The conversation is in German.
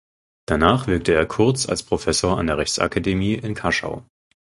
Danach wirkte er kurz als Professor an der Rechtsakademie in Kaschau.